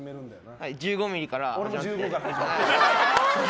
俺も１５ｍｍから。